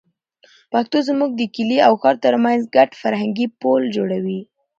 پښتو زموږ د کلي او ښار تر منځ ګډ فرهنګي پُل جوړوي.